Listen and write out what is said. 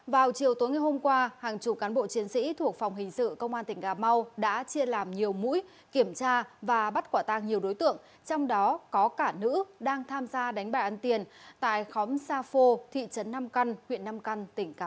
vào chiều tối ngày hôm qua hàng chục cán bộ chiến sĩ thuộc phòng hình sự công an tỉnh gà mau đã chia làm nhiều mũi kiểm tra và bắt quả tang nhiều đối tượng trong đó có cả nữ đang tham gia đánh bài ăn tiền tại khóm sa phô thị trấn nam căn huyện nam căn